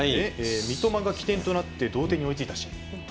三笘が起点となって同点に追いついたシーン。